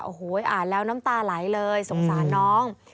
โอ้โหอ่านแล้วน้ำตาไหลเลยสงสารน้อง